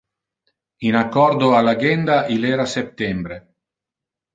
In accordo al agenda il era septembre.